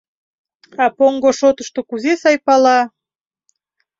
А поҥго шотышто кузе сай пала.